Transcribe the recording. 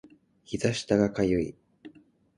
膝下が痒い